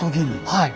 はい。